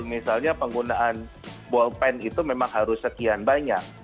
misalnya penggunaan ball pen itu memang harus sekian banyak